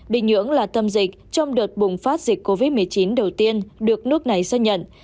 bình nhưỡng là tâm dịch trong đợt bùng phát dịch covid một mươi chín đầu tiên được nước này xác nhận